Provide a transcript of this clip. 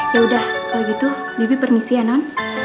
yaudah kalau gitu bibi permisi ya non